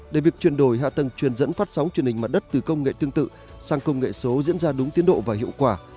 để việc chuyển đổi hạ tầng truyền dẫn phát sóng truyền hình mặt đất từ công nghệ tương tự sang công nghệ số diễn ra đúng tiến độ và hiệu quả